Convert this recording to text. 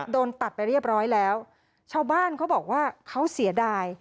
โดนตัดไปเรียบร้อยแล้วชาวบ้านเขาบอกว่าเขาเสียดาย